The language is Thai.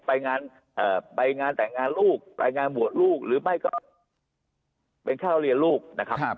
ไปงานไปงานแต่งงานลูกไปงานบวชลูกหรือไม่ก็เป็นข้าวเรียนลูกนะครับ